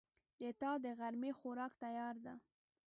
د تا دغرمې خوراک تیار ده